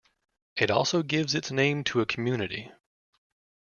It also gives its name to a community.